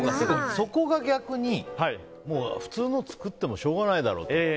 そこが逆に普通のを作ってもしょうがないだろうと。